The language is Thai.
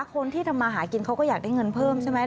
คนที่ทำมาหากินเขาก็อยากได้เงินเพิ่มใช่ไหม